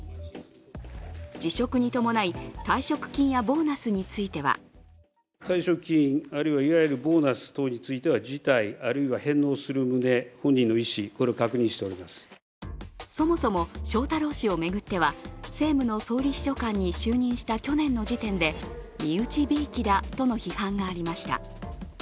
辞職に伴い、退職金やボーナスについてはそもそも翔太郎氏を巡っては政務の総理秘書官に就任した去年の時点で身内びいきだとの批判がありました。